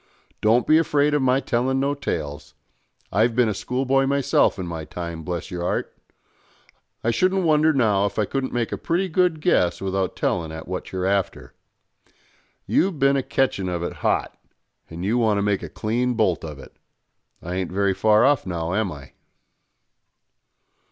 Don't be afraid of my telling no tales. I've bin a schoolboy myself in my time, bless your 'art. I shouldn't wonder now if I couldn't make a pretty good guess without telling at what you're after. You've bin a catchin' of it hot, and you want to make a clean bolt of it. I ain't very far off, now, am I?"